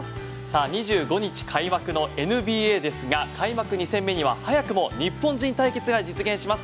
２５日開幕のＮＢＡですが開幕２戦目には早くも日本人対決が実現します。